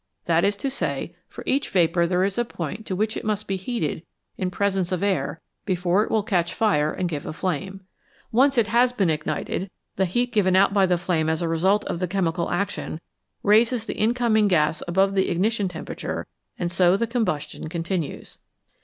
That is to say, for each vapour there is a point to which it must be heated in presence of air before it will catch fire and give a flame. Once it has been ignited, the heat given out by the flame as the result of the chemical action raises the incoming gas above the ignition tempera ture, and so the combustion continues.